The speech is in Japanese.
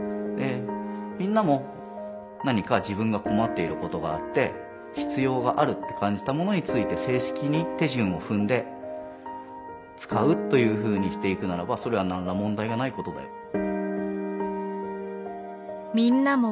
でみんなも何か自分が困っていることがあって必要があるって感じたものについて正式に手順を踏んで使うというふうにしていくならばそれは何ら問題がないことだよ。